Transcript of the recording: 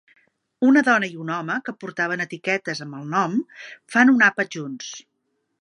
Una dona i un home, que portaven etiquetes amb el nom, fan un àpat junts.